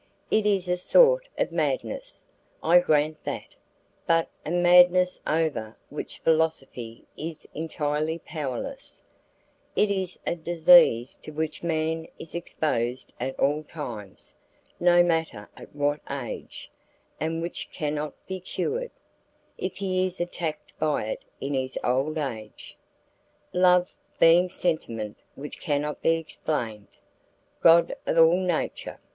It is a sort of madness, I grant that, but a madness over which philosophy is entirely powerless; it is a disease to which man is exposed at all times, no matter at what age, and which cannot be cured, if he is attacked by it in his old age. Love being sentiment which cannot be explained! God of all nature!